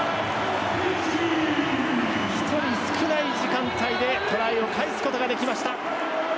１人少ない時間帯でトライを返すことができました。